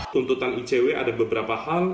tuntutan icw ada beberapa hal